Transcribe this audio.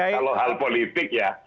kalau hal politik ya